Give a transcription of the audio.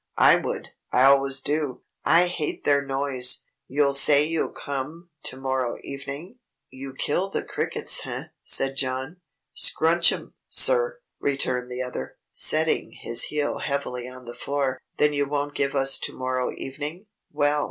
I would! I always do! I hate their noise! You'll say you'll come, to morrow evening?" "You kill the crickets, eh?" said John. "Scrunch 'em, sir," returned the other, setting his heel heavily on the floor. "Then you won't give us to morrow evening? Well!